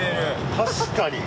確かに。